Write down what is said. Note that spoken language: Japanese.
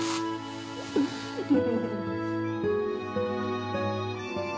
フフフフ